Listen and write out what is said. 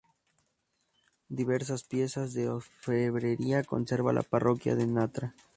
Diversas piezas de orfebrería conserva la Parroquia de Ntra.